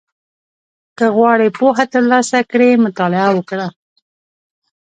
• که غواړې پوهه ترلاسه کړې، مطالعه وکړه.